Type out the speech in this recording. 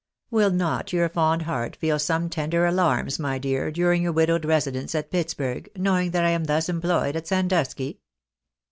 Will not your fond heart feel some tender alarms, my dear, during your widowed residence at Pitts burg, knowing that I am thus employed at Sandusky